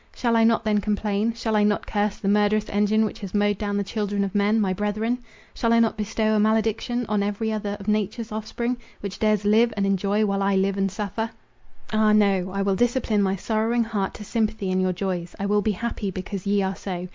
Shall I not then complain? Shall I not curse the murderous engine which has mowed down the children of men, my brethren? Shall I not bestow a malediction on every other of nature's offspring, which dares live and enjoy, while I live and suffer? Ah, no! I will discipline my sorrowing heart to sympathy in your joys; I will be happy, because ye are so.